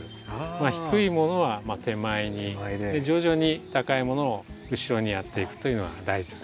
低いものは手前に徐々に高いものを後ろにやっていくというのが大事ですね。